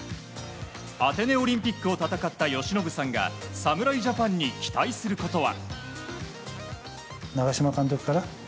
アテネオリンピックを戦った由伸さんが侍ジャパンに期待することは。